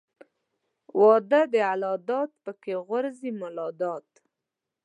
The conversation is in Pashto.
واده د الله داد پکښې غورځي مولاداد.